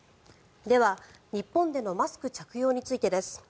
では、日本でのマスク着用についてです。